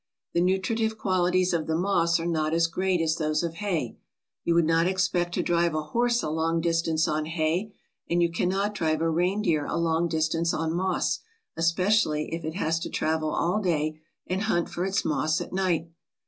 The nutritive qualities of the moss are not as great as those' of hay. You would not expect to drive a horse a long distance on hay, and you cannot drive a reindeer a long distance on moss, especially if it has to travel all day and hunt for its moss at night.